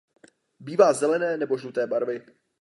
Bývá zelené nebo žluté barvy.